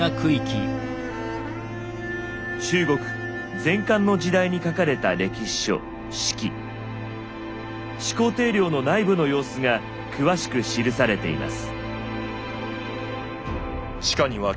中国前漢の時代に書かれた歴史書始皇帝陵の内部の様子が詳しく記されています。